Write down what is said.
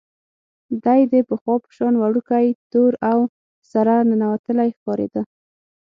دی د پخوا په شان وړوکی، تور او سره ننوتلی ښکارېده.